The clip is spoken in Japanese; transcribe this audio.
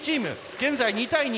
現在２対２。